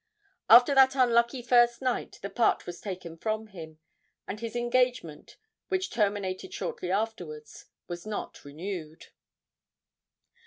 After that unlucky first night the part was taken from him, and his engagement, which terminated shortly afterwards, was not renewed.